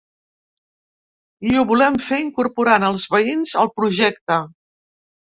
I ho volem fer incorporant els veïns al projecte!